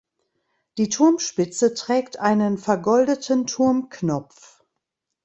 Die Turmspitze trägt einen vergoldeten Turmknopf.